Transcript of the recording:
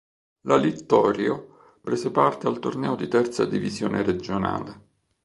La Littorio prese parte al torneo di Terza Divisione Regionale.